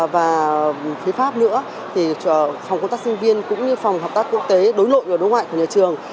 và phía pháp nữa thì phòng công tác sinh viên cũng như phòng hợp tác quốc tế đối nội và đối ngoại của nhà trường